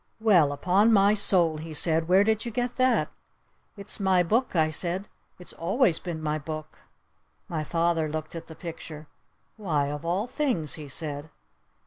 "Well, upon my soul," he said, "where did you get that?" "It's my book," I said. "It's always been my book." My father looked at the picture. "Why, of all things," he said.